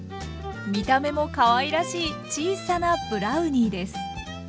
見た目もかわいらしい小さなブラウニーです。